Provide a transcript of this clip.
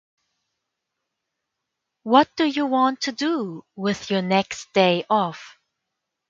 What do you want to do with your next day off?